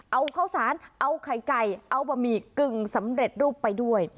เอาข้าวสารเอาไข่ไก่เอาบะหมี่กึ่งสำเร็จรูปไปด้วย